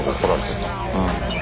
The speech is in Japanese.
うん。